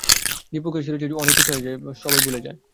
দ্বিপক্ষীয় সিরিজে অনেক কিছুই হয়, সবাই যা ভুলেও যায়।